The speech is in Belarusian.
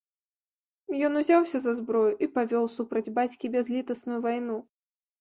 Ён узяўся за зброю і павёў супраць бацькі бязлітасную вайну.